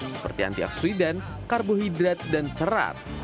seperti antioksidan karbohidrat dan serat